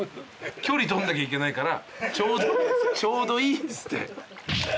距離取んなきゃいけないからちょうどいいんですって。